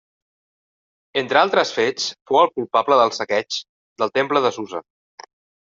Entre altres fets fou el culpable del saqueig del temple de Susa.